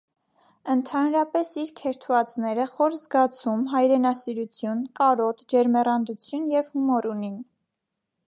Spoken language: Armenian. Ընդհանրապէս իր քերթուածները խօր զգացում, հայրենասիրութիւն, կարօտ, ջերմեռանդութիւն եւ հիւմըր ունին։